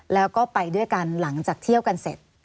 แล้วก็ไปด้วยกันหลังจากเที่ยวกันเสร็จ